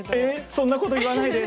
そんなこと言わないで。